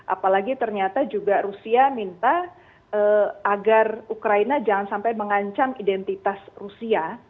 apalagi ternyata juga rusia minta agar ukraina jangan sampai mengancam identitas rusia